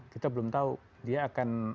kita belum tahu dia akan